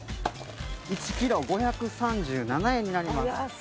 １ｋｇ５３７円になります。